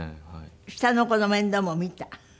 下の子の面倒も見た？